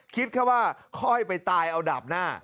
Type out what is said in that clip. คิดแค่ว่าค่อยไปตายเอาดาบหน้า